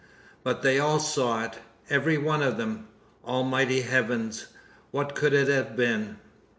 But they all saw it every one of them. Almighty heavens! what could it have been?"